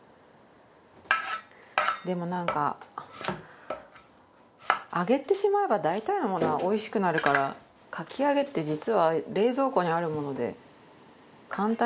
でもなんか揚げてしまえば大体のものはおいしくなるからかき揚げって実は。